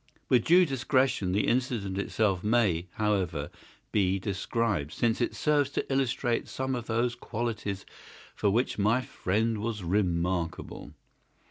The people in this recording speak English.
With due discretion the incident itself may, however, be described, since it serves to illustrate some of those qualities for which my friend was remarkable.